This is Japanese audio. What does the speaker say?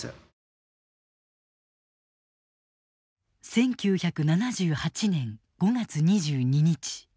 １９７８年５月２２日。